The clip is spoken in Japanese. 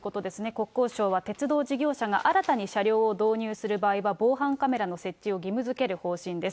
国交省は鉄道事業者が新たに車両を導入する場合は、防犯カメラの設置を義務づける方法です。